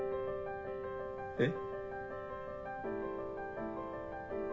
えっ？